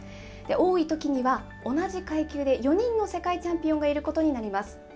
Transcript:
多いときには、同じ階級で４人の世界チャンピオンがいることになります。